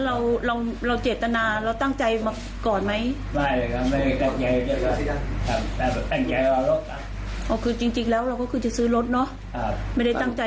อย่างไรครับทำตามภาพบอกเขาแบบและหลายคนเกินอะไรมา